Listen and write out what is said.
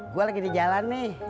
gue lagi di jalan nih